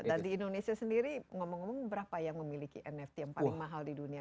dan di indonesia sendiri ngomong ngomong berapa yang memiliki nft yang paling mahal di dunia